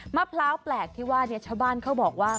มะพร้าวแปลกที่ว่าชาวบ้านเขาบอกว่า